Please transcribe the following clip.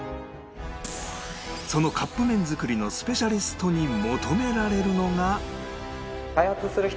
そのカップ麺作りのスペシャリストに求められるのが